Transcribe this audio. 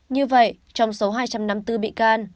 như vậy trong số hai trăm năm mươi bốn bị can